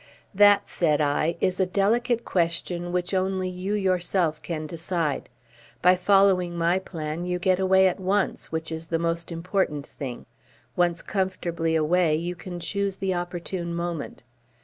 "That," said I, "is a delicate question which only you yourself can decide. By following my plan you get away at once, which is the most important thing. Once comfortably away, you can choose the opportune moment."